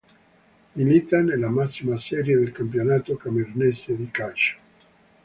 Milita nella massima serie del campionato camerunese di calcio.